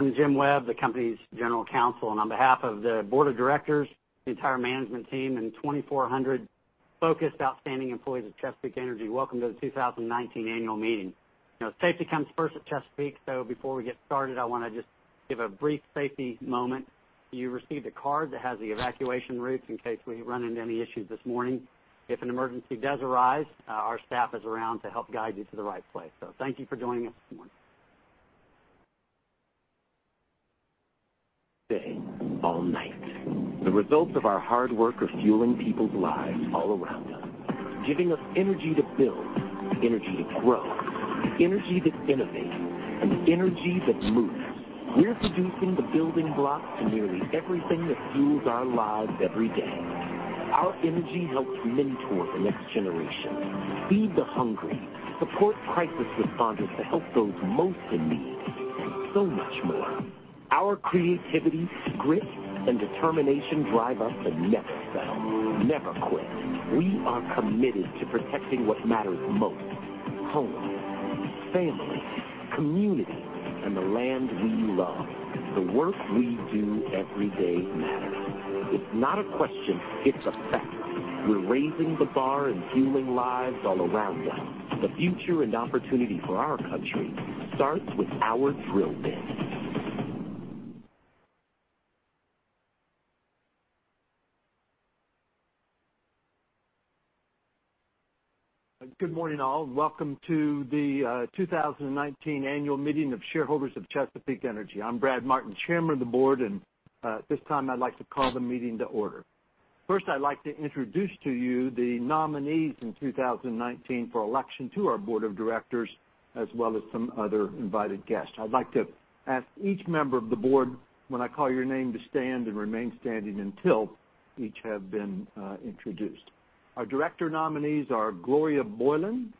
I'm Jim Webb, the company's general counsel, on behalf of the board of directors, the entire management team, and 2,400 focused, outstanding employees of Chesapeake Energy, welcome to the 2019 annual meeting. Safety comes first at Chesapeake, before we get started, I want to just give a brief safety moment. You received a card that has the evacuation routes in case we run into any issues this morning. If an emergency does arise, our staff is around to help guide you to the right place. Thank you for joining us this morning. Day, all night. The results of our hard work are fueling people's lives all around us, giving us energy to build, energy to grow, energy that innovates, and energy that moves. We're producing the building blocks to nearly everything that fuels our lives every day. Our energy helps mentor the next generation, feed the hungry, support crisis responders to help those most in need, and so much more. Our creativity, grit, and determination drive us to never settle, never quit. We are committed to protecting what matters most: home, family, community, and the land we love. The work we do every day matters. It's not a question, it's a fact. We're raising the bar and fueling lives all around us. The future and opportunity for our country starts with our drill bit. Good morning, all. Welcome to the 2019 annual meeting of shareholders of Chesapeake Energy. I'm Brad Martin, chairman of the board, at this time, I'd like to call the meeting to order. First, I'd like to introduce to you the nominees in 2019 for election to our board of directors, as well as some other invited guests. I'd like to ask each member of the board, when I call your name, to stand and remain standing until each have been introduced. Our director nominees are Gloria Boyland,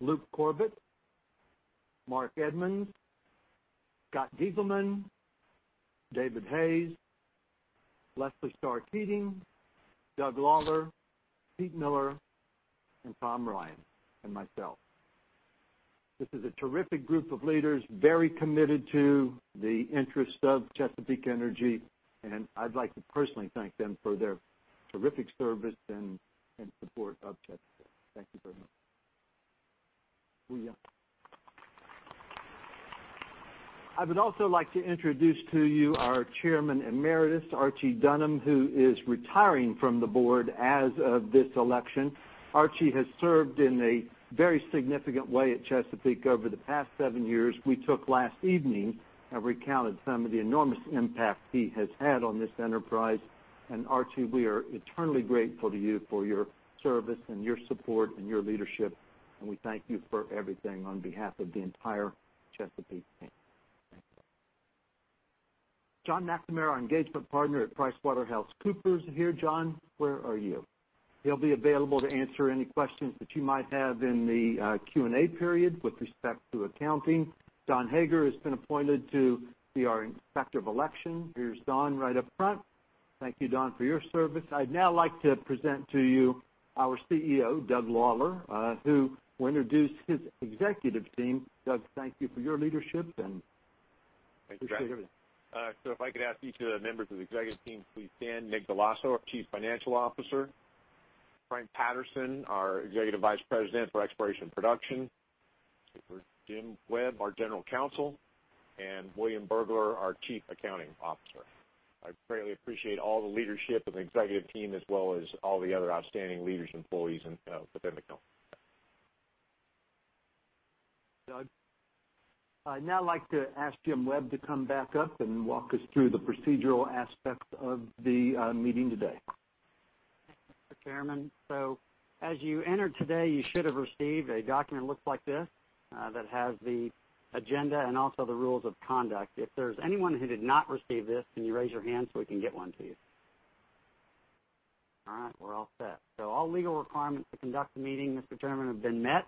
Luke Corbett, Mark Edmonds, Scott Diegelmann, David Hayes, Leslie Starr Keating, Doug Lawler, Pete Miller, and Tom Ryan, and myself. This is a terrific group of leaders, very committed to the interests of Chesapeake Energy, I'd like to personally thank them for their terrific service and support of Chesapeake. Thank you very much. I would also like to introduce to you our chairman emeritus, Archie Dunham, who is retiring from the board as of this election. Archie has served in a very significant way at Chesapeake over the past seven years. We took last evening and recounted some of the enormous impact he has had on this enterprise. Archie, we are eternally grateful to you for your service and your support and your leadership, we thank you for everything on behalf of the entire Chesapeake team. Thank you. John McNamara, our engagement partner at PricewaterhouseCoopers. Are you here, John? Where are you? He'll be available to answer any questions that you might have in the Q&A period with respect to accounting. Don Hager has been appointed to be our inspector of election. Here's Don right up front. Thank you, Don, for your service. I'd now like to present to you our CEO, Doug Lawler, who will introduce his executive team. Doug, thank you for your leadership and appreciate it. Thanks, Brad. If I could ask each of the members of the executive team to please stand. Nick Dell'Osso, our Chief Financial Officer, Frank Patterson, our Executive Vice President for Exploration Production, Jim Webb, our General Counsel, and William Buergler, our Chief Accounting Officer. I greatly appreciate all the leadership of the executive team, as well as all the other outstanding leaders and employees within the company. Doug. I'd now like to ask Jim Webb to come back up and walk us through the procedural aspect of the meeting today. Thank you, Mr. Chairman. As you entered today, you should have received a document that looks like this that has the agenda and also the rules of conduct. If there's anyone who did not receive this, can you raise your hand so we can get one to you? All right, we're all set. All legal requirements to conduct the meeting, Mr. Chairman, have been met.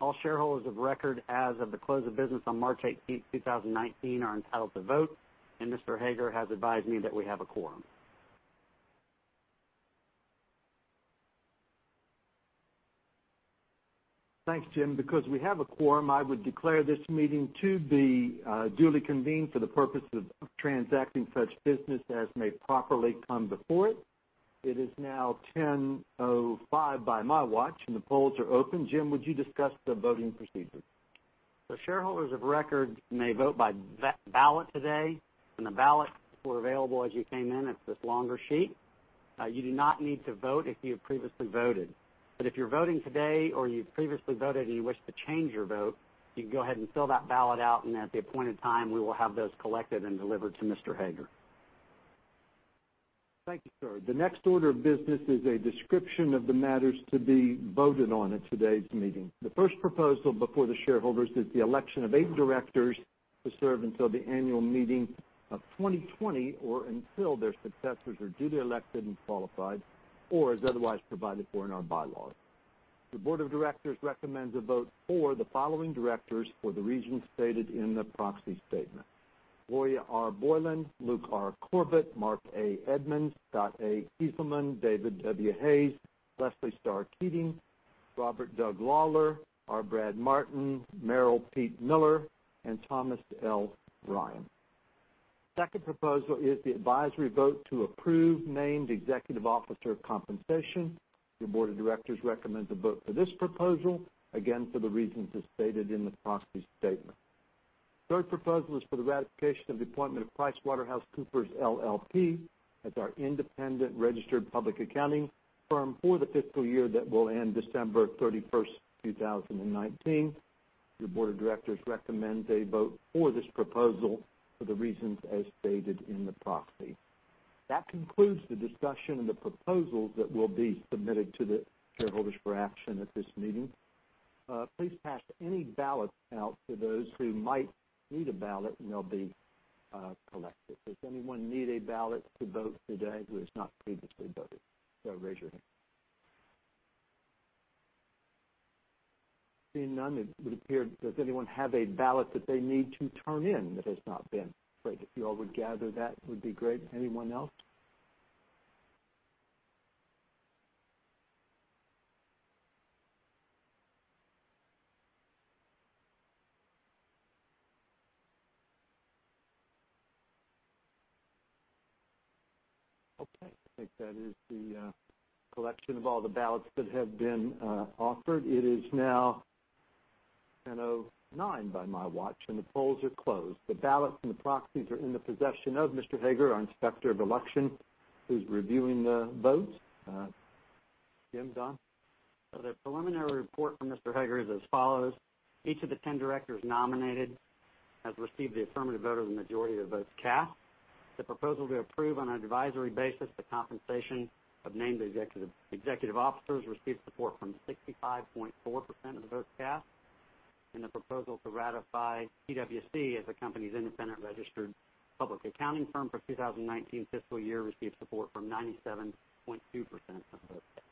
All shareholders of record as of the close of business on March 18th, 2019 are entitled to vote, and Mr. Hager has advised me that we have a quorum. Thanks, Jim. Because we have a quorum, I would declare this meeting to be duly convened for the purpose of transacting such business as may properly come before it. It is now 10:05 by my watch, and the polls are open. Jim, would you discuss the voting procedure? Shareholders of record may vote by ballot today, and the ballots were available as you came in. It's this longer sheet. You do not need to vote if you have previously voted, but if you're voting today or you've previously voted and you wish to change your vote, you can go ahead and fill that ballot out, and at the appointed time, we will have those collected and delivered to Mr. Hager. Thank you, sir. The next order of business is a description of the matters to be voted on at today's meeting. The first proposal before the shareholders is the election of eight directors to serve until the annual meeting of 2020 or until their successors are duly elected and qualified, or as otherwise provided for in our bylaws. The board of directors recommends a vote for the following directors for the regions stated in the proxy statement, Gloria R. Boyland, Luke R. Corbett, Mark A. Edmonds, Scott A. Esselman, David W. Hayes, Leslie Starr Keating, Robert Doug Lawler, R. Brad Martin, Merrill Pete Miller, and Thomas L. Ryan. Second proposal is the advisory vote to approve named executive officer compensation. Your board of directors recommends a vote for this proposal, again, for the reasons as stated in the proxy statement. Third proposal is for the ratification of the appointment of PricewaterhouseCoopers LLP as our independent registered public accounting firm for the fiscal year that will end December 31st, 2019. Your board of directors recommends a vote for this proposal for the reasons as stated in the proxy. That concludes the discussion and the proposals that will be submitted to the shareholders for action at this meeting. Please pass any ballots out to those who might need a ballot, and they'll be collected. Does anyone need a ballot to vote today who has not previously voted? Raise your hand. Seeing none. Does anyone have a ballot that they need to turn in that has not been? Great. If you all would gather that would be great. Anyone else? Okay. I think that is the collection of all the ballots that have been offered. It is now 10:09 A.M. by my watch, and the polls are closed. The ballots and the proxies are in the possession of Mr. Hager, our Inspector of Election, who's reviewing the votes. Jim, Don? The preliminary report from Mr. Hager is as follows. Each of the 10 directors nominated has received the affirmative vote of the majority of votes cast. The proposal to approve on an advisory basis the compensation of named executive officers received support from 65.4% of the votes cast. The proposal to ratify PwC as the company's independent registered public accounting firm for 2019 fiscal year received support from 97.2% of the votes cast.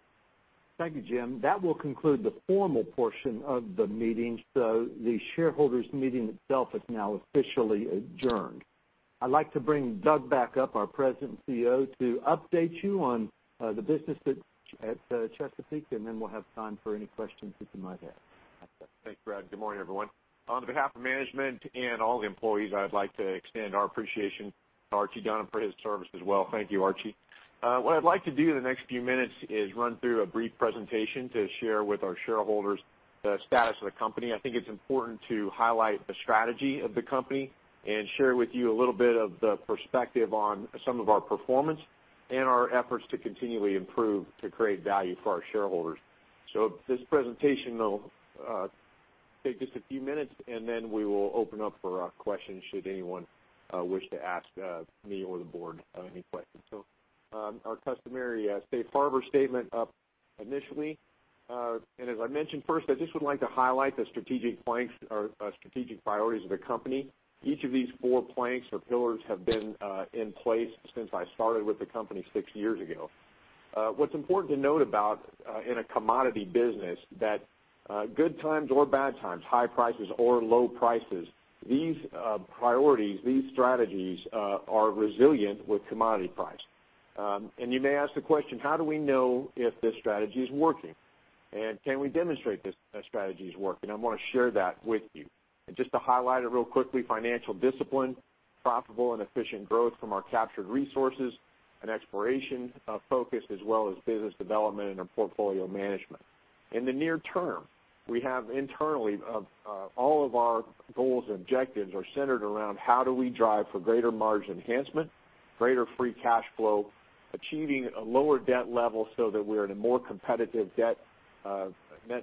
Thank you, Jim. That will conclude the formal portion of the meeting. The shareholders meeting itself is now officially adjourned. I'd like to bring Doug back up, our President and Chief Executive Officer, to update you on the business at Chesapeake Energy. We'll have time for any questions that you might have. Thanks, Brad. Good morning, everyone. On behalf of management and all the employees, I would like to extend our appreciation to Archie Dunham for his service as well. Thank you, Archie. What I'd like to do in the next few minutes is run through a brief presentation to share with our shareholders the status of the company. I think it's important to highlight the strategy of the company and share with you a little bit of the perspective on some of our performance and our efforts to continually improve to create value for our shareholders. This presentation will take just a few minutes. We will open up for questions should anyone wish to ask me or the board any questions. Our customary safe harbor statement up initially. As I mentioned first, I just would like to highlight the strategic priorities of the company. Each of these four planks or pillars have been in place since I started with the company six years ago. What's important to note about, in a commodity business, that good times or bad times, high prices or low prices, these priorities, these strategies, are resilient with commodity price. You may ask the question, how do we know if this strategy is working? Can we demonstrate this strategy is working? I want to share that with you. Just to highlight it real quickly, financial discipline, profitable and efficient growth from our captured resources, and exploration focus, as well as business development and our portfolio management. In the near term, we have internally, all of our goals and objectives are centered around how do we drive for greater margin enhancement, greater free cash flow, achieving a lower debt level so that we're in a more competitive net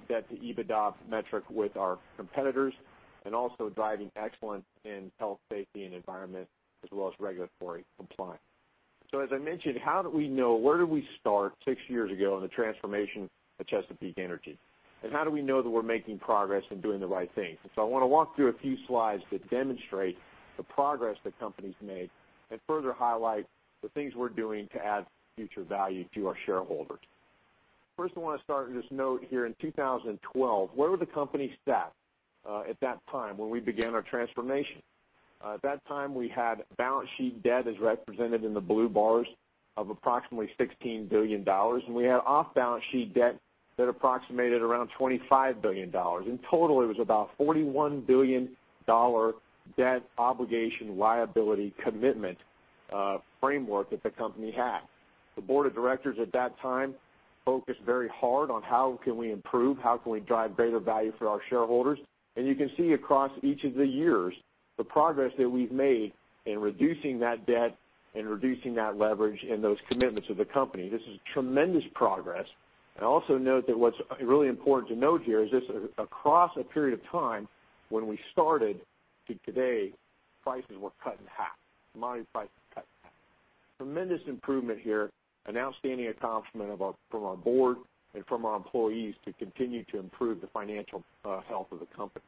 debt to EBITDA metric with our competitors, and also driving excellence in health, safety, and environment, as well as regulatory compliance. As I mentioned, how do we know? Where did we start six years ago in the transformation of Expand Energy? How do we know that we're making progress and doing the right thing? I want to walk through a few slides that demonstrate the progress the company's made and further highlight the things we're doing to add future value to our shareholders. First, I want to start with this note here. In 2012, where were the company stacked at that time when we began our transformation? At that time, we had balance sheet debt, as represented in the blue bars, of approximately $16 billion, and we had off-balance sheet debt that approximated around $25 billion. In total, it was about $41 billion debt obligation liability commitment framework that the company had. The board of directors at that time focused very hard on how can we improve, how can we drive greater value for our shareholders. You can see across each of the years, the progress that we've made in reducing that debt and reducing that leverage and those commitments of the company. This is tremendous progress. Also note that what's really important to note here is this, across a period of time, when we started to today, prices were cut in half. Commodity prices cut in half. Tremendous improvement here, an outstanding accomplishment from our board and from our employees to continue to improve the financial health of the company.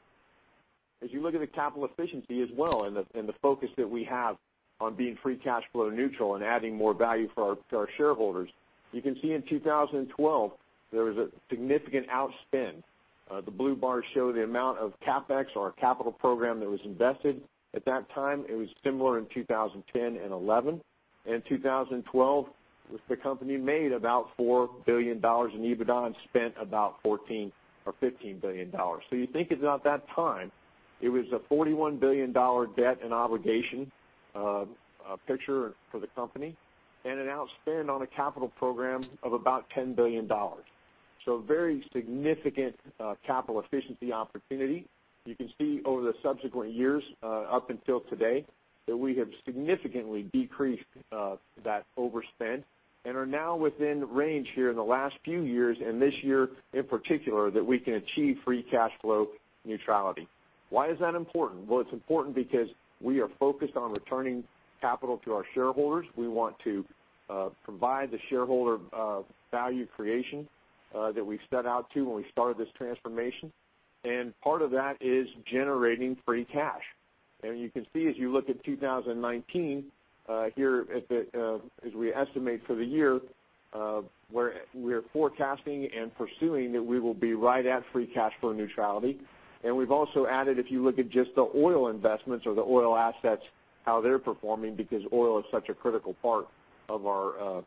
As you look at the capital efficiency as well, and the focus that we have on being free cash flow neutral and adding more value for our shareholders, you can see in 2012, there was a significant outspend. The blue bars show the amount of CapEx or capital program that was invested at that time. It was similar in 2010 and 2011. In 2012, the company made about $4 billion in EBITDA and spent about $14 or $15 billion. You think about that time, it was a $41 billion debt and obligation picture for the company, and an outspend on a capital program of about $10 billion. A very significant capital efficiency opportunity. You can see over the subsequent years, up until today, that we have significantly decreased that overspend and are now within range here in the last few years, and this year in particular, that we can achieve free cash flow neutrality. Why is that important? Well, it's important because we are focused on returning capital to our shareholders. We want to provide the shareholder value creation that we set out to when we started this transformation. Part of that is generating free cash. You can see, as you look at 2019 here, as we estimate for the year, we're forecasting and pursuing that we will be right at free cash flow neutrality. We've also added, if you look at just the oil investments or the oil assets, how they're performing, because oil is such a critical part of our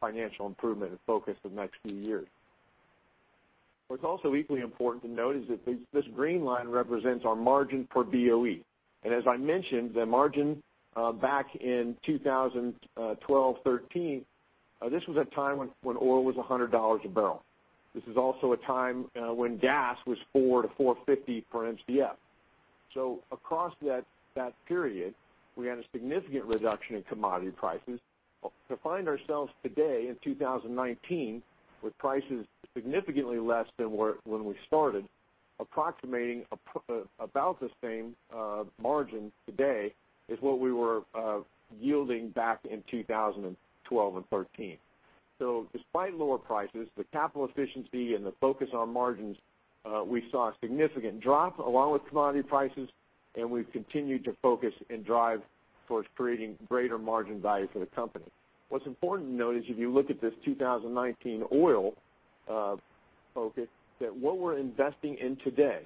financial improvement and focus the next few years. What's also equally important to note is that this green line represents our margin per BOE. As I mentioned, the margin back in 2012-2013, this was a time when oil was $100 a barrel. This is also a time when gas was $4 to $4.50 per Mcf. Across that period, we had a significant reduction in commodity prices. To find ourselves today in 2019 with prices significantly less than when we started, approximating about the same margin today as what we were yielding back in 2012 and 2013. Despite lower prices, the capital efficiency and the focus on margins, we saw a significant drop along with commodity prices, and we've continued to focus and drive towards creating greater margin value for the company. What's important to note is if you look at this 2019 oil focus, that what we're investing in today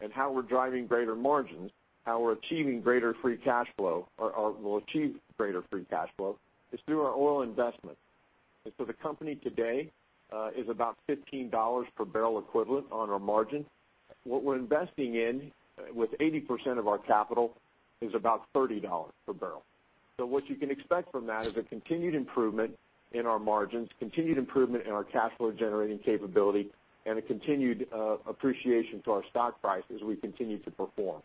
and how we're driving greater margins, how we're achieving greater free cash flow or will achieve greater free cash flow, is through our oil investments. The company today is about $15 per barrel equivalent on our margin. What we're investing in with 80% of our capital is about $30 per barrel. What you can expect from that is a continued improvement in our margins, continued improvement in our cash flow generating capability, and a continued appreciation to our stock price as we continue to perform.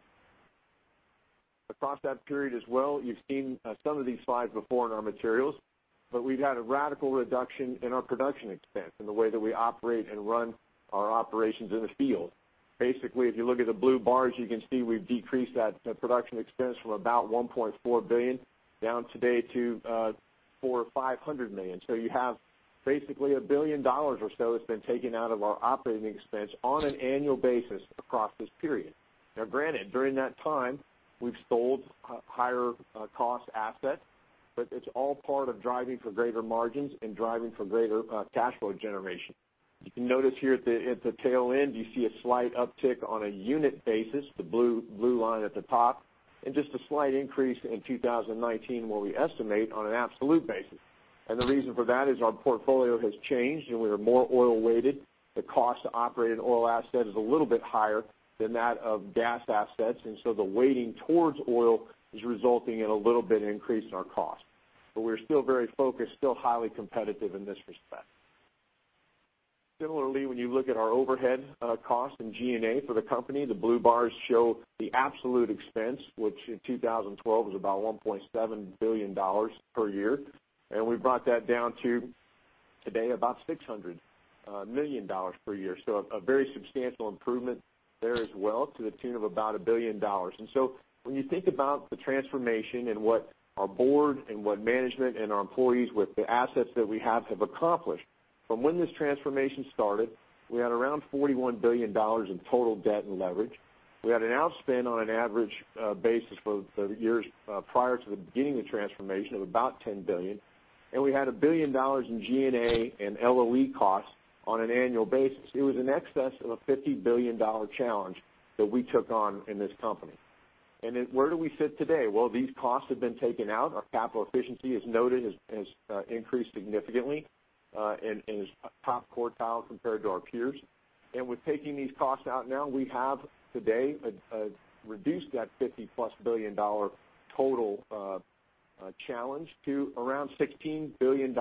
Across that period as well, you've seen some of these slides before in our materials, but we've had a radical reduction in our production expense in the way that we operate and run our operations in the field. Basically, if you look at the blue bars, you can see we've decreased that production expense from about $1.4 billion down today to $400 million or $500 million. You have basically $1 billion or so that's been taken out of our operating expense on an annual basis across this period. Granted, during that time, we've sold higher cost assets, but it's all part of driving for greater margins and driving for greater cash flow generation. You can notice here at the tail end, you see a slight uptick on a unit basis, the blue line at the top, and just a slight increase in 2019 where we estimate on an absolute basis. The reason for that is our portfolio has changed, and we are more oil-weighted. The cost to operate an oil asset is a little bit higher than that of gas assets. The weighting towards oil is resulting in a little bit increase in our cost. We're still very focused, still highly competitive in this respect. Similarly, when you look at our overhead cost in G&A for the company, the blue bars show the absolute expense, which in 2012 was about $1.7 billion per year. We brought that down to today about $600 million per year. A very substantial improvement there as well to the tune of about $1 billion. When you think about the transformation and what our board and what management and our employees with the assets that we have have accomplished. From when this transformation started, we had around $41 billion in total debt and leverage. We had an outspend on an average basis for the years prior to the beginning of transformation of about $10 billion. We had $1 billion in G&A and LOE costs on an annual basis. It was in excess of a $50 billion challenge that we took on in this company. Where do we sit today? These costs have been taken out. Our capital efficiency, as noted, has increased significantly and is top quartile compared to our peers. With taking these costs out now, we have today reduced that $50-plus billion total challenge to around $16 billion.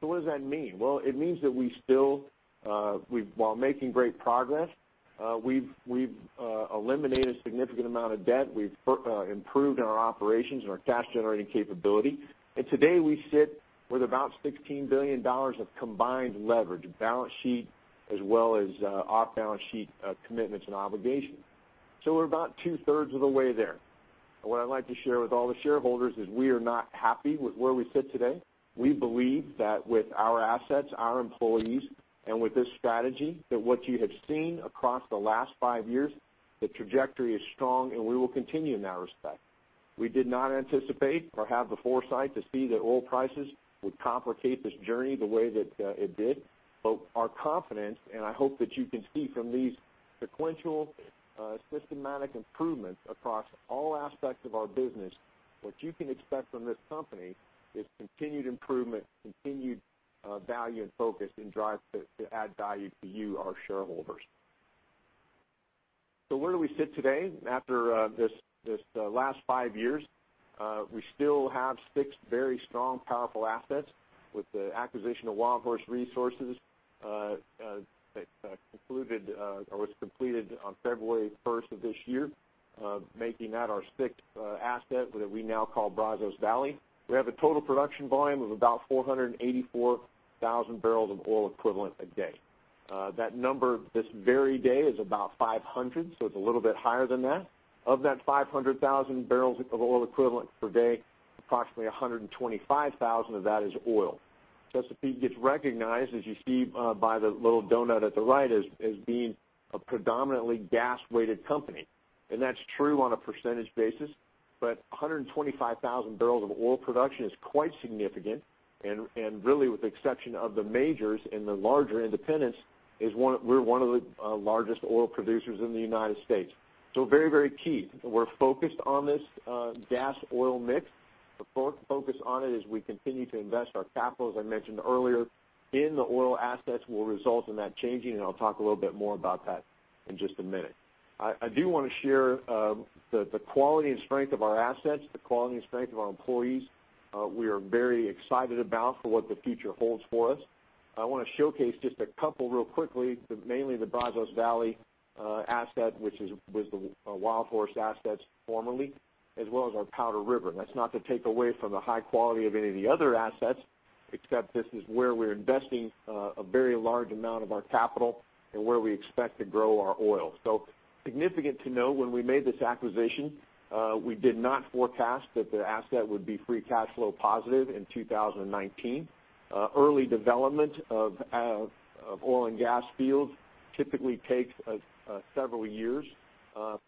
What does that mean? It means that while making great progress, we've eliminated a significant amount of debt. We've improved in our operations and our cash-generating capability. Today, we sit with about $16 billion of combined leverage, balance sheet as well as off-balance sheet commitments and obligations. We're about two-thirds of the way there. What I'd like to share with all the shareholders is we are not happy with where we sit today. We believe that with our assets, our employees, and with this strategy, that what you have seen across the last five years, the trajectory is strong, and we will continue in that respect. We did not anticipate or have the foresight to see that oil prices would complicate this journey the way that it did. Our confidence, and I hope that you can see from these sequential, systematic improvements across all aspects of our business, what you can expect from this company is continued improvement, continued value and focus and drive to add value to you, our shareholders. Where do we sit today after this last five years? We still have six very strong, powerful assets with the acquisition of WildHorse Resource Development that was completed on February 1st of this year, making that our sixth asset that we now call Brazos Valley. We have a total production volume of about 484,000 barrels of oil equivalent a day. That number this very day is about 500, so it's a little bit higher than that. Of that 500,000 barrels of oil equivalent per day, approximately 125,000 of that is oil. Chesapeake gets recognized, as you see by the little doughnut at the right, as being a predominantly gas-weighted company. That's true on a percentage basis, 125,000 barrels of oil production is quite significant, and really with the exception of the majors and the larger independents, we're one of the largest oil producers in the United States. Very, very key. We're focused on this gas-oil mix. The focus on it as we continue to invest our capital, as I mentioned earlier, in the oil assets will result in that changing, and I'll talk a little bit more about that in just a minute. I do want to share the quality and strength of our assets, the quality and strength of our employees. We are very excited about for what the future holds for us. I want to showcase just a couple real quickly, mainly the Brazos Valley asset, which was the WildHorse assets formerly, as well as our Powder River. That's not to take away from the high quality of any of the other assets, except this is where we're investing a very large amount of our capital and where we expect to grow our oil. Significant to know when we made this acquisition, we did not forecast that the asset would be free cash flow positive in 2019. Early development of oil and gas fields typically takes several years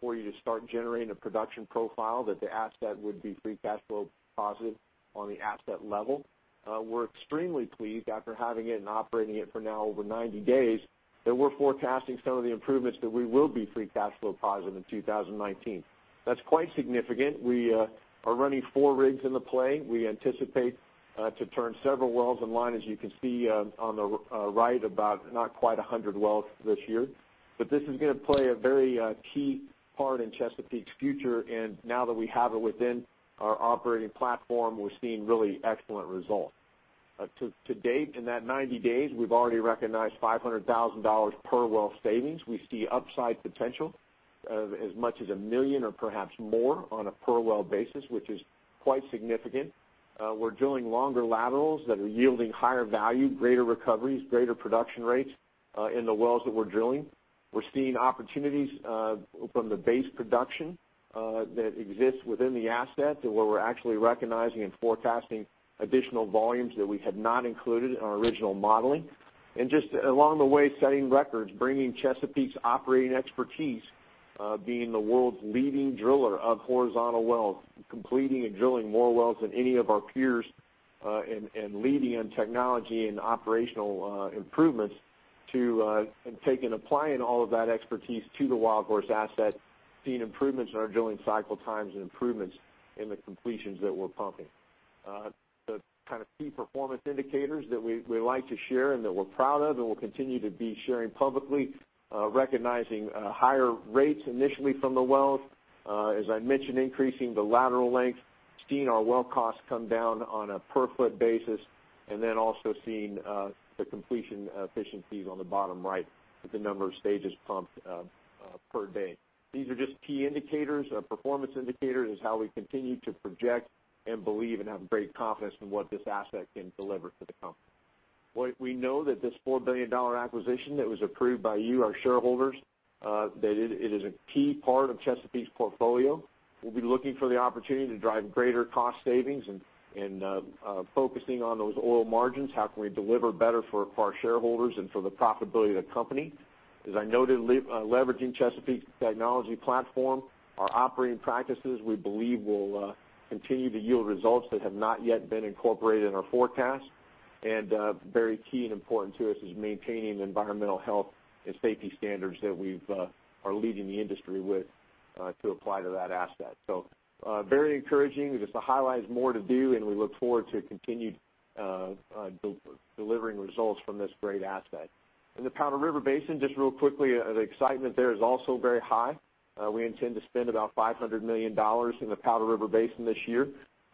for you to start generating a production profile that the asset would be free cash flow positive on the asset level. We're extremely pleased after having it and operating it for now over 90 days, that we're forecasting some of the improvements that we will be free cash flow positive in 2019. That's quite significant. We are running four rigs in the play. We anticipate to turn several wells in line, as you can see on the right, about not quite 100 wells this year. This is going to play a very key part in Chesapeake's future. Now that we have it within our operating platform, we're seeing really excellent results. To date, in that 90 days, we've already recognized $500,000 per well savings. We see upside potential of as much as a million or perhaps more on a per well basis, which is quite significant. We're drilling longer laterals that are yielding higher value, greater recoveries, greater production rates in the wells that we're drilling. We're seeing opportunities from the base production that exists within the asset to where we're actually recognizing and forecasting additional volumes that we had not included in our original modeling. Just along the way, setting records, bringing Chesapeake's operating expertise, being the world's leading driller of horizontal wells, completing and drilling more wells than any of our peers, and leading in technology and operational improvements, and taking and applying all of that expertise to the WildHorse asset, seeing improvements in our drilling cycle times and improvements in the completions that we're pumping. The key performance indicators that we like to share and that we're proud of and will continue to be sharing publicly, recognizing higher rates initially from the wells. As I mentioned, increasing the lateral length, seeing our well costs come down on a per-foot basis, and then also seeing the completion efficiencies on the bottom right with the number of stages pumped per day. These are just key indicators, performance indicators, is how we continue to project and believe and have great confidence in what this asset can deliver for the company. We know that this $4 billion acquisition that was approved by you, our shareholders, that it is a key part of Chesapeake's portfolio. We'll be looking for the opportunity to drive greater cost savings and focusing on those oil margins, how can we deliver better for our shareholders and for the profitability of the company. As I noted, leveraging Chesapeake's technology platform, our operating practices, we believe, will continue to yield results that have not yet been incorporated in our forecast. Very key and important to us is maintaining the environmental health and safety standards that we are leading the industry with to apply to that asset. Very encouraging. Just to highlight, there's more to do, and we look forward to continued delivering results from this great asset. In the Powder River Basin, just real quickly, the excitement there is also very high. We intend to spend about $500 million in the Powder River Basin this year.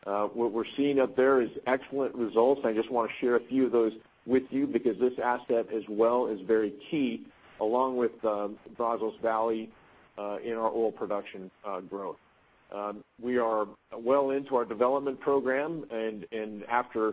What we're seeing up there is excellent results. I just want to share a few of those with you because this asset as well is very key, along with Brazos Valley, in our oil production growth. We are well into our development program, and after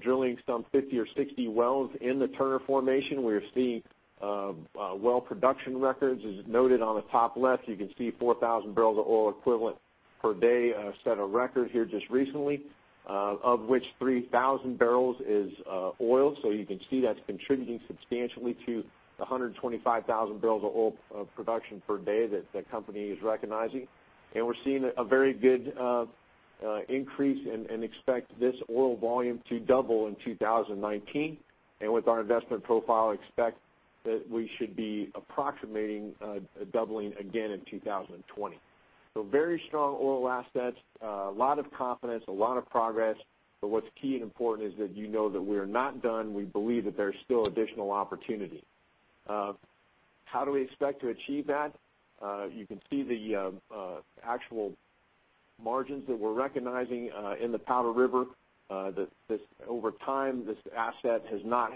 drilling some 50 or 60 wells in the Turner formation, we are seeing well production records. As noted on the top left, you can see 4,000 barrels of oil equivalent per day set a record here just recently, of which 3,000 barrels is oil. You can see that's contributing substantially to the 125,000 barrels of oil production per day that the company is recognizing. We're seeing a very good increase and expect this oil volume to double in 2019. With our investment profile, expect that we should be approximating a doubling again in 2020. Very strong oil assets, a lot of confidence, a lot of progress. What's key and important is that you know that we are not done. We believe that there's still additional opportunity. How do we expect to achieve that? You can see the actual margins that we're recognizing in the Powder River. Over time, this asset has not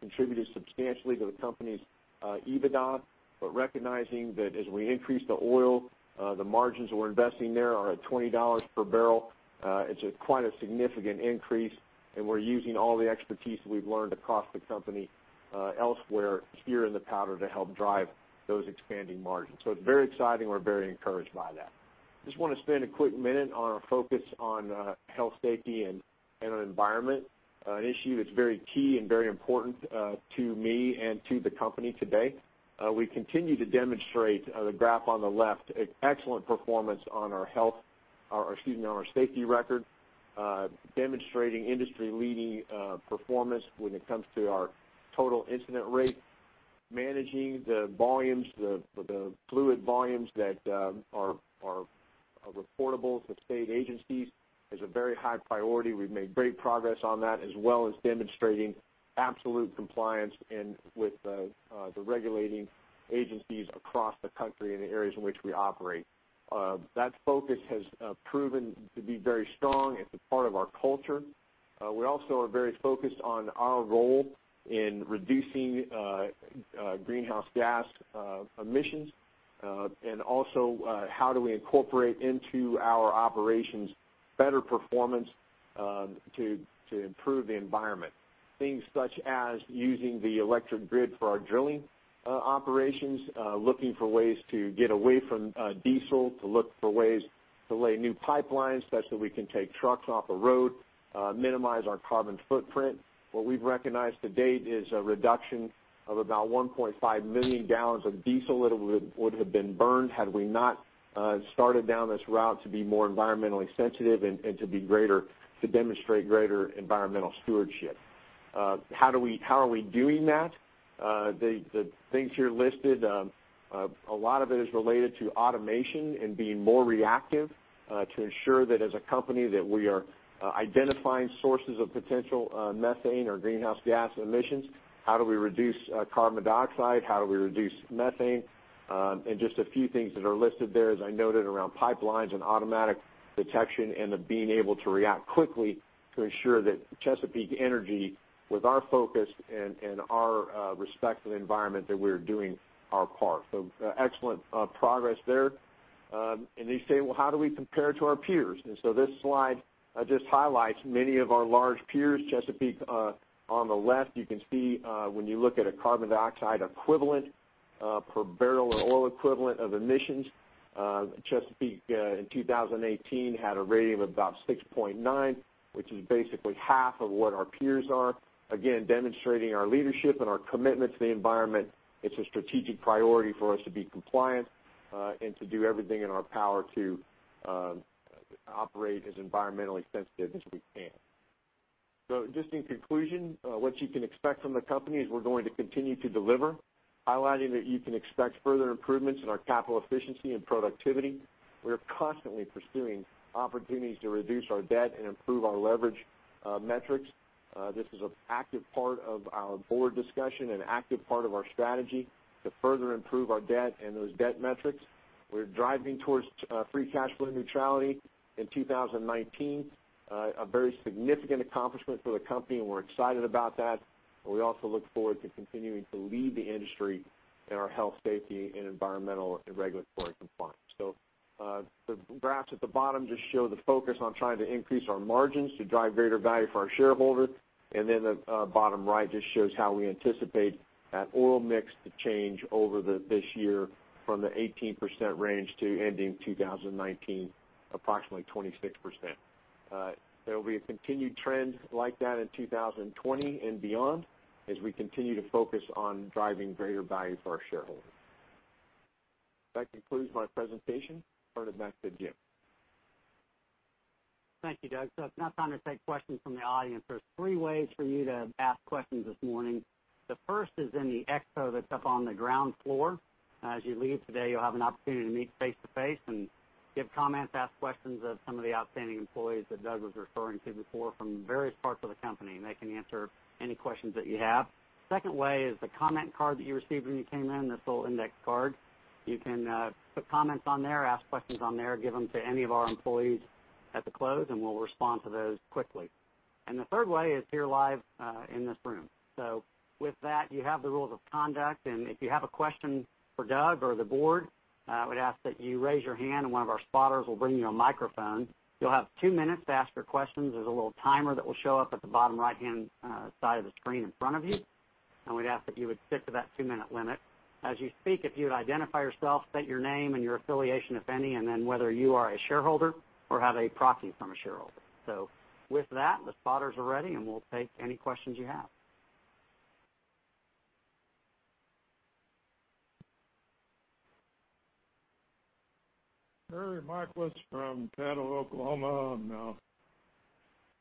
contributed substantially to the company's EBITDA, but recognizing that as we increase the oil, the margins we're investing there are at $20 per barrel. It's quite a significant increase, and we're using all the expertise that we've learned across the company elsewhere here in the Powder to help drive those expanding margins. It's very exciting. We're very encouraged by that. I just want to spend a quick minute on our focus on health, safety, and environment, an issue that's very key and very important to me and to the company today. We continue to demonstrate, the graph on the left, excellent performance on our safety record, demonstrating industry-leading performance when it comes to our total incident rate. Managing the fluid volumes that are reportable to state agencies is a very high priority. We've made great progress on that, as well as demonstrating absolute compliance with the regulating agencies across the country in the areas in which we operate. That focus has proven to be very strong. It's a part of our culture. We also are very focused on our role in reducing greenhouse gas emissions and also how do we incorporate into our operations better performance to improve the environment. Things such as using the electric grid for our drilling operations, looking for ways to get away from diesel, to look for ways to lay new pipelines, such that we can take trucks off the road, minimize our carbon footprint. What we've recognized to date is a reduction of about 1.5 million gallons of diesel that would have been burned had we not started down this route to be more environmentally sensitive and to demonstrate greater environmental stewardship. How are we doing that? The things here listed, a lot of it is related to automation and being more reactive to ensure that as a company, that we are identifying sources of potential methane or greenhouse gas emissions. How do we reduce carbon dioxide? How do we reduce methane? Just a few things that are listed there, as I noted, around pipelines and automatic detection and the being able to react quickly to ensure that Chesapeake Energy, with our focus and our respect for the environment, that we're doing our part. Excellent progress there. You say, well, how do we compare to our peers? This slide just highlights many of our large peers. Chesapeake, on the left, you can see when you look at a carbon dioxide equivalent per barrel of oil equivalent of emissions. Chesapeake in 2018 had a rate of about 6.9, which is basically half of what our peers are. Again, demonstrating our leadership and our commitment to the environment. It's a strategic priority for us to be compliant and to do everything in our power to operate as environmentally sensitive as we can. Just in conclusion, what you can expect from the company is we're going to continue to deliver, highlighting that you can expect further improvements in our capital efficiency and productivity. We are constantly pursuing opportunities to reduce our debt and improve our leverage metrics. This is an active part of our board discussion, an active part of our strategy to further improve our debt and those debt metrics. We're driving towards free cash flow neutrality in 2019, a very significant accomplishment for the company, and we're excited about that. We also look forward to continuing to lead the industry in our health, safety, and environmental and regulatory compliance. The graphs at the bottom just show the focus on trying to increase our margins to drive greater value for our shareholders. The bottom right just shows how we anticipate that oil mix to change over this year from the 18% range to ending 2019 approximately 26%. There will be a continued trend like that in 2020 and beyond as we continue to focus on driving greater value for our shareholders. That concludes my presentation. Turn it back to Jim. Thank you, Doug. It's now time to take questions from the audience. There's three ways for you to ask questions this morning. The first is in the expo that's up on the ground floor. As you leave today, you'll have an opportunity to meet face to face and give comments, ask questions of some of the outstanding employees that Doug was referring to before from various parts of the company, and they can answer any questions that you have. The second way is the comment card that you received when you came in, this little index card. You can put comments on there, ask questions on there, give them to any of our employees at the close, and we'll respond to those quickly. The third way is here live in this room. With that, you have the rules of conduct. If you have a question for Doug or the board, I would ask that you raise your hand, and one of our spotters will bring you a microphone. You'll have 2 minutes to ask your questions. There's a little timer that will show up at the bottom right-hand side of the screen in front of you, and we'd ask that you would stick to that 2-minute limit. As you speak, if you would identify yourself, state your name and your affiliation, if any, and then whether you are a shareholder or have a proxy from a shareholder. With that, the spotters are ready, and we'll take any questions you have. Harry Michels from Catoosa, Oklahoma. I'm a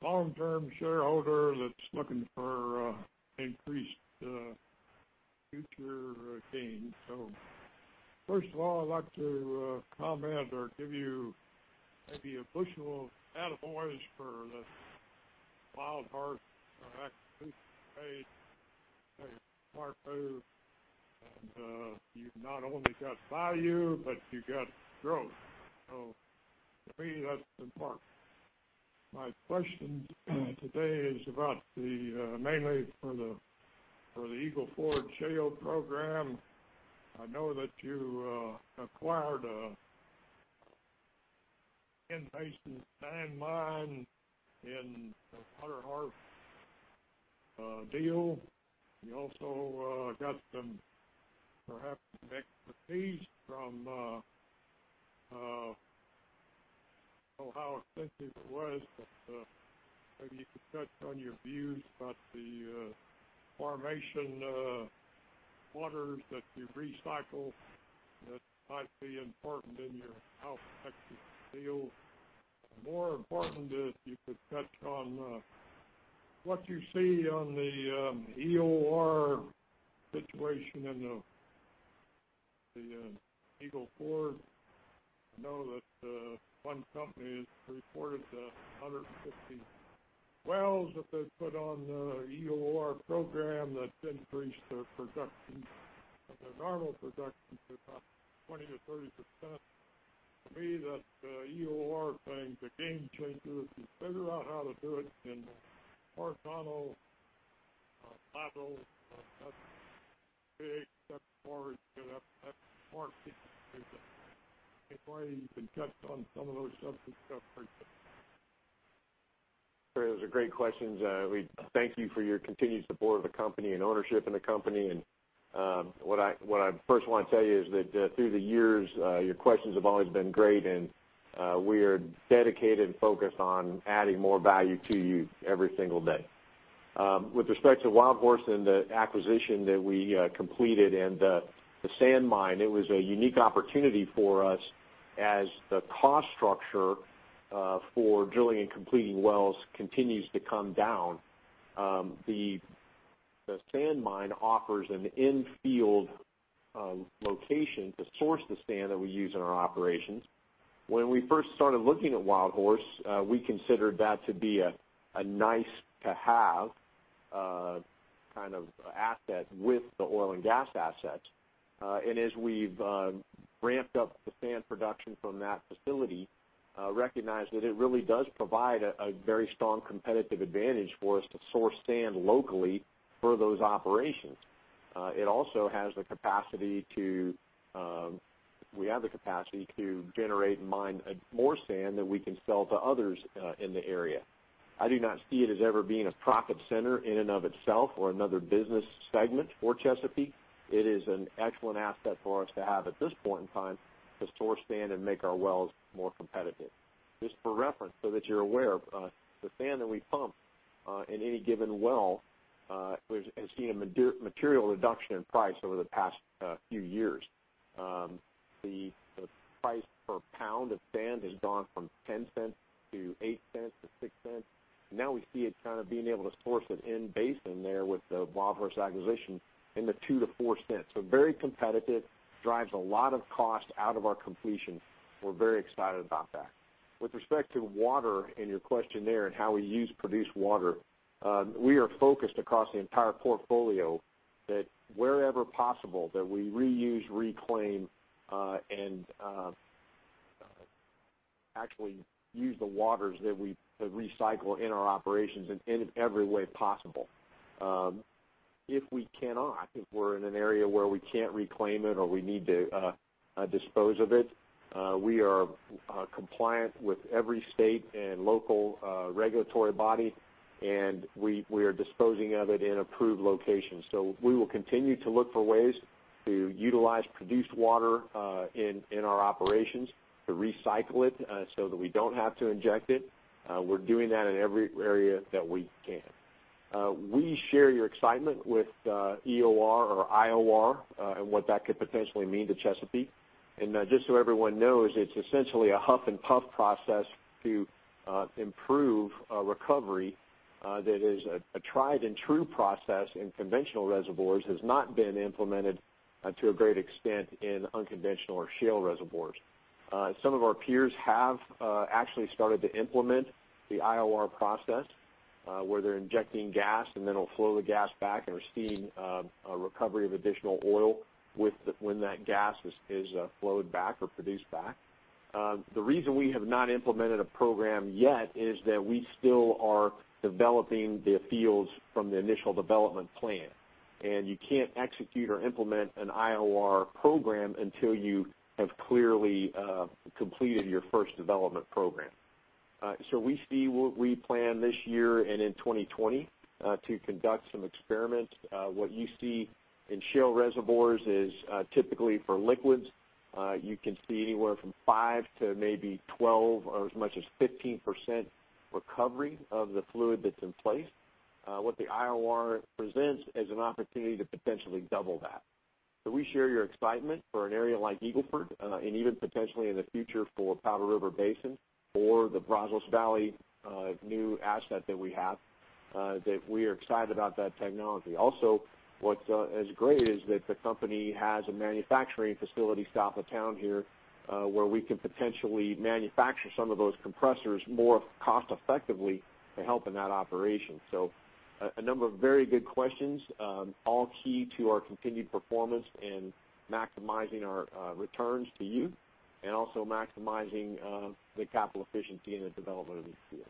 long-term shareholder that's looking for increased future gains. First of all, I'd like to comment or give you maybe a bushel of attaboys for the WildHorse acquisition you made. I think it's a smart move, and you've not only got value, but you got growth. For me, that's important. My question today is mainly for the Eagle Ford shale program. I know that you acquired a sand mine in the WildHorse deal. You also got some, perhaps some expertise. I don't know how extensive it was, but maybe you could touch on your views about the formation waters that you recycle that might be important in your field. More important, if you could touch on what you see on the EOR situation in the Eagle Ford. I know that one company has reported that 150 wells that they put on the EOR program that increased their production, their normal production, to about 20%-30%. To me, that EOR thing's a game changer. If you figure out how to do it in the Permian, that's a big step forward. If only you can touch on some of those subjects, that would be great. Harry, those are great questions. We thank you for your continued support of the company and ownership in the company. What I first want to tell you is that through the years, your questions have always been great, and we are dedicated and focused on adding more value to you every single day. With respect to WildHorse and the acquisition that we completed and the sand mine, it was a unique opportunity for us as the cost structure for drilling and completing wells continues to come down. The sand mine offers an in-field location to source the sand that we use in our operations. When we first started looking at WildHorse, we considered that to be a nice to have asset with the oil and gas assets. As we've ramped up the sand production from that facility, recognized that it really does provide a very strong competitive advantage for us to source sand locally for those operations. We have the capacity to generate and mine more sand that we can sell to others in the area. I do not see it as ever being a profit center in and of itself or another business segment for Chesapeake. It is an excellent asset for us to have at this point in time to source sand and make our wells more competitive. Just for reference, so that you're aware, the sand that we pump in any given well has seen a material reduction in price over the past few years. The price per pound of sand has gone from $0.10 to $0.08 to $0.06. We see it being able to source it in-basin there with the WildHorse acquisition in the $0.02-$0.04, very competitive, drives a lot of cost out of our completion. We're very excited about that. With respect to water and your question there and how we use produced water, we are focused across the entire portfolio that wherever possible, that we reuse, reclaim, and actually use the waters that we recycle in our operations in every way possible. If we cannot, if we're in an area where we can't reclaim it or we need to dispose of it, we are compliant with every state and local regulatory body, and we are disposing of it in approved locations. We will continue to look for ways to utilize produced water in our operations to recycle it so that we don't have to inject it. We're doing that in every area that we can. We share your excitement with EOR or IOR, and what that could potentially mean to Chesapeake. Just so everyone knows, it's essentially a huff and puff process to improve recovery that is a tried and true process in conventional reservoirs, has not been implemented to a great extent in unconventional or shale reservoirs. Some of our peers have actually started to implement the IOR process, where they're injecting gas and then will flow the gas back, and we're seeing a recovery of additional oil when that gas is flowed back or produced back. The reason we have not implemented a program yet is that we still are developing the fields from the initial development plan. You can't execute or implement an IOR program until you have clearly completed your first development program. We see what we plan this year and in 2020, to conduct some experiments. What you see in shale reservoirs is typically for liquids. You can see anywhere from 5% to maybe 12% or as much as 15% recovery of the fluid that's in place. What the IOR presents is an opportunity to potentially double that. We share your excitement for an area like Eagle Ford, and even potentially in the future for Powder River Basin or the Brazos Valley new asset that we have, that we are excited about that technology. Also, what is great is that the company has a manufacturing facility south of town here, where we can potentially manufacture some of those compressors more cost-effectively to help in that operation. A number of very good questions, all key to our continued performance and maximizing our returns to you, also maximizing the capital efficiency in the development of these fields.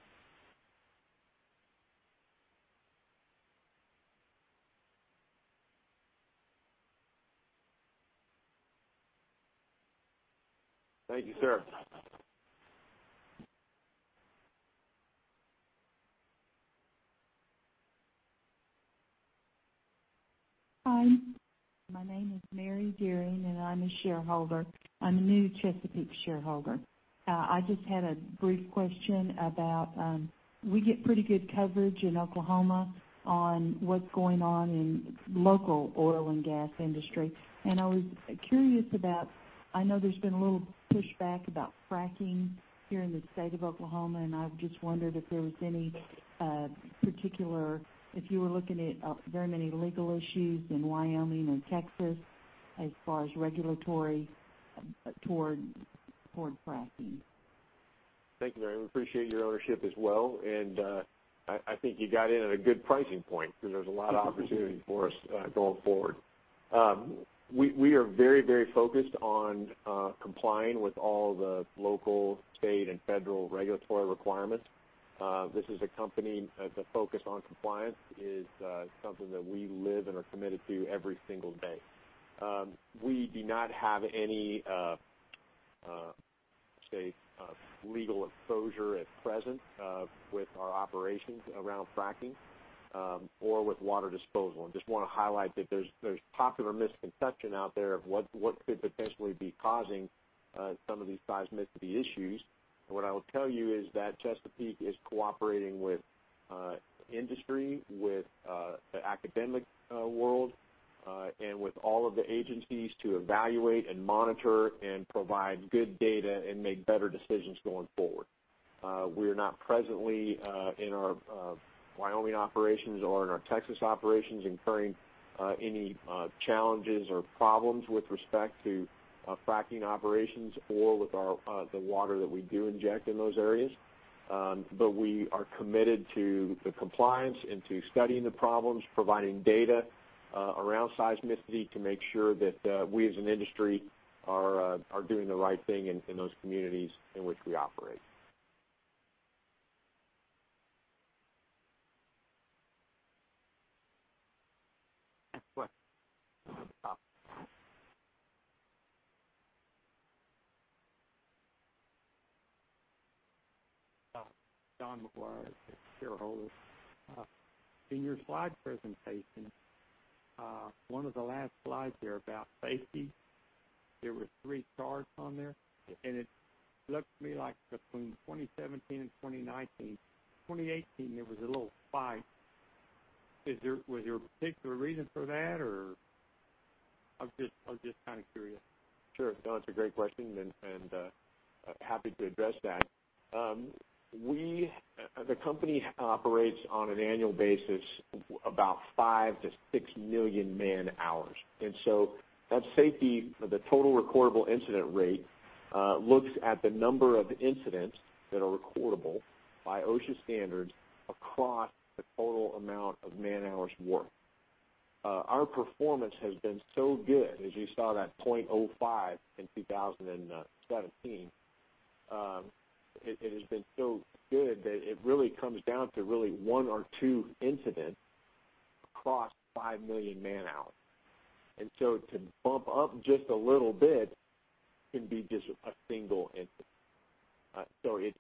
Thank you, sir. Hi, my name is Mary Dearing, and I'm a shareholder. I'm a new Chesapeake shareholder. I just had a brief question about, we get pretty good coverage in Oklahoma on what's going on in local oil and gas industry. I was curious about, I know there's been a little pushback about fracking here in the state of Oklahoma, and I've just wondered if you were looking at very many legal issues in Wyoming or Texas as far as regulatory toward fracking. Thank you, Mary. We appreciate your ownership as well. I think you got in at a good pricing point, because there's a lot of opportunity for us going forward. We are very focused on complying with all the local, state, and federal regulatory requirements. This is a company, the focus on compliance is something that we live and are committed to every single day. We do not have any legal exposure at present with our operations around fracking or with water disposal. Just want to highlight that there's popular misconception out there of what could potentially be causing some of these seismicity issues. What I will tell you is that Chesapeake is cooperating with industry, with the academic world, and with all of the agencies to evaluate, and monitor, and provide good data, and make better decisions going forward. We are not presently, in our Wyoming operations or in our Texas operations, incurring any challenges or problems with respect to fracking operations or with the water that we do inject in those areas. We are committed to the compliance and to studying the problems, providing data around seismicity to make sure that we, as an industry, are doing the right thing in those communities in which we operate. Next question. Don McGuire, shareholder. In your slide presentation, one of the last slides there about safety, there were three stars on there, and it looked to me like between 2017 and 2019, 2018, there was a little spike. Was there a particular reason for that? I was just kind of curious. Sure. Don, it's a great question, and happy to address that. The company operates on an annual basis, about five to six million man-hours. That safety, the total recordable incident rate, looks at the number of incidents that are recordable by OSHA standards across the total amount of man-hours worked. Our performance has been so good, as you saw that .05 in 2017. It has been so good that it really comes down to really one or two incidents across five million man-hours. To bump up just a little bit can be just a single incident.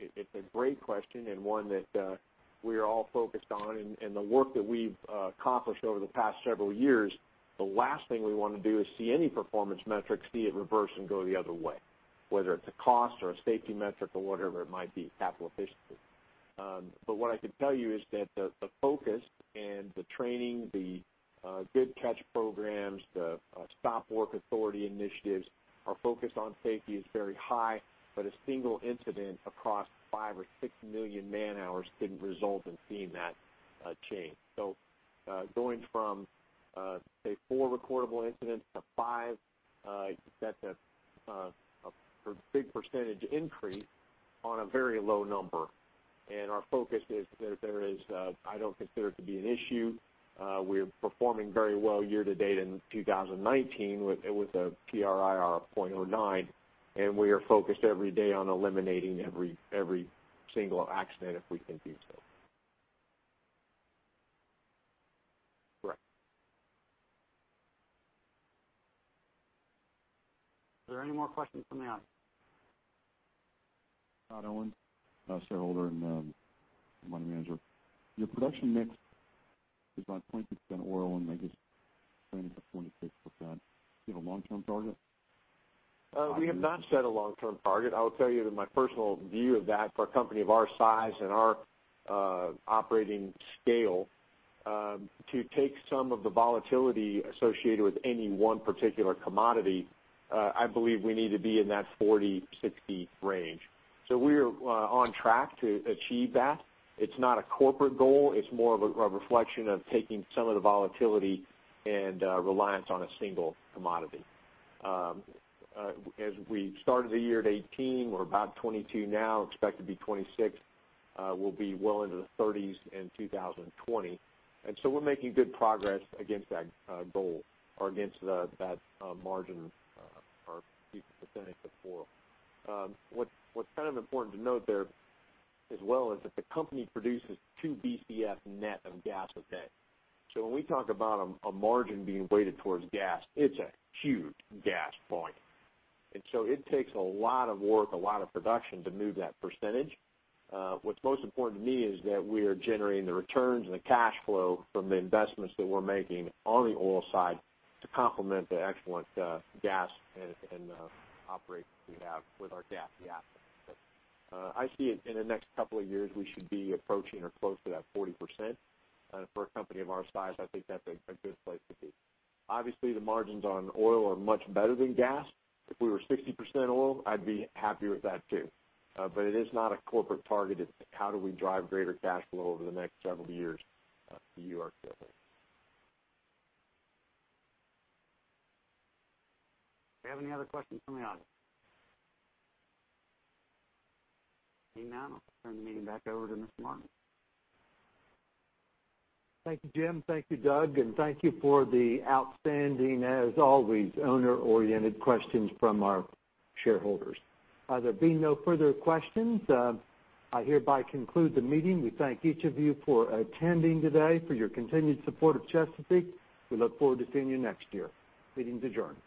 It's a great question and one that we're all focused on. The work that we've accomplished over the past several years, the last thing we want to do is see any performance metric, see it reverse and go the other way, whether it's a cost or a safety metric or whatever it might be, capital efficiency. What I can tell you is that the focus and the training, the good catch programs, the stop work authority initiatives, our focus on safety is very high, but a single incident across five or six million man-hours can result in seeing that change. Going from, say, four recordable incidents to five, that's a big percentage increase on a very low number. Our focus is that there is I don't consider it to be an issue. We're performing very well year-to-date in 2019 with a TRIR of 0.09, and we are focused every day on eliminating every single accident if we can do so. Correct. Are there any more questions from the audience? Todd Owens, shareholder and money manager. Your production mix is like 20% oil and I guess 70% gas long-term target? We have not set a long-term target. I will tell you that my personal view of that for a company of our size and our operating scale, to take some of the volatility associated with any one particular commodity, I believe we need to be in that 40/60 range. We're on track to achieve that. It's not a corporate goal. It's more of a reflection of taking some of the volatility and reliance on a single commodity. As we started the year at 18, we're about 22 now, expect to be 26. We'll be well into the 30s in 2020. We're making good progress against that goal or against that margin or percentage of oil. What's important to note there as well is that the company produces 2 Bcf net of gas a day. When we talk about a margin being weighted towards gas, it's a huge gas volume. It takes a lot of work, a lot of production to move that percentage. What's most important to me is that we are generating the returns and the cash flow from the investments that we're making on the oil side to complement the excellent gas and the operations we have with our gas assets. I see it in the next couple of years, we should be approaching or close to that 40%. For a company of our size, I think that's a good place to be. Obviously, the margins on oil are much better than gas. If we were 60% oil, I'd be happy with that too. It is not a corporate target. It's how do we drive greater cash flow over the next several years for you, our shareholders. Do we have any other questions from the audience? Seeing none, I'll turn the meeting back over to Mr. Martin. Thank you, Jim. Thank you, Doug, and thank you for the outstanding, as always, owner-oriented questions from our shareholders. There being no further questions, I hereby conclude the meeting. We thank each of you for attending today, for your continued support of Chesapeake. We look forward to seeing you next year. Meeting's adjourned.